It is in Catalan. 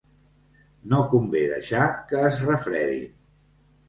No convé deixar que es refredin.